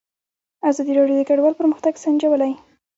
ازادي راډیو د کډوال پرمختګ سنجولی.